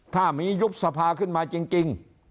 ถ้ามียุบสภาขึ้นมาจริง